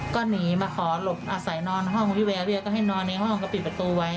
ก็หนีมาขอหลบอาศัยนอนห้องพี่แวร์เวียก็ให้นอนในห้องก็ปิดประตูไว้